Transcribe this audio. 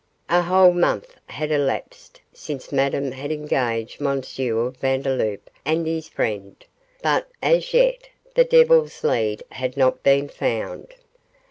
A whole month had elapsed since Madame had engaged M. Vandeloup and his friend, but as yet the Devil's Lead had not been found.